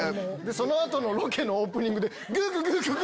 その後のロケのオープニングでグググググ！